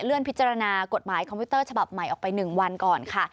พิจารณากฎหมายคอมพิวเตอร์ฉบับใหม่ออกไป๑วันก่อนค่ะ